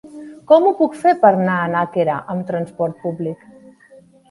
Com ho puc fer per anar a Nàquera amb transport públic?